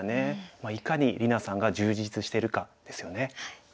まあいかに里菜さんが充実してるかですよね。